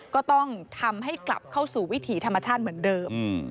ก็ต้องทำให้กลับเข้าสู่วิถีธรรมชาติเหมือนเดิม